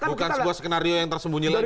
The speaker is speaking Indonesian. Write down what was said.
bukan sebuah skenario yang tersembunyi lagi